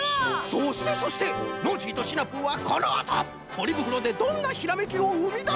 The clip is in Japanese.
そしてそしてノージーとシナプーはこのあとポリぶくろでどんなひらめきをうみだすのか！？